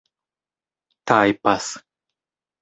tajpas